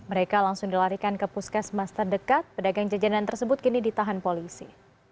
mereka langsung dilarikan ke puskesmas terdekat pedagang jajanan tersebut kini ditahan polisi